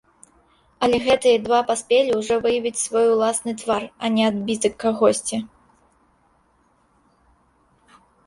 Але гэтыя два паспелі ўжо выявіць свой уласны твар, а не адбітак кагосьці.